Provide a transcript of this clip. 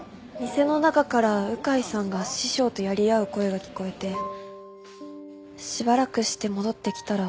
店の中から鵜飼さんが師匠とやり合う声が聞こえてしばらくして戻ってきたら。